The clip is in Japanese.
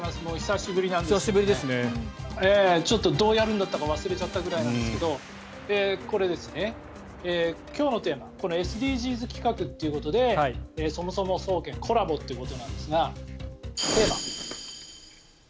もう、久しぶりなんですがちょっとどうやるんだったか忘れちゃったぐらいなんですけどこれですね、今日のテーマはこのＳＤＧｓ企画ということでそもそも総研コラボということなんですがテーマ。